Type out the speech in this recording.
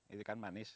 ini kan manis